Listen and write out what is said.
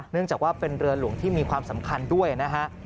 เนื่องจากว่าเป็นเรือหลวงที่มีความสำคัญด้วยนะฮะ